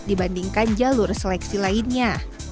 dibandingkan jalur seleksi lainnya